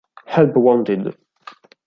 Help Wanted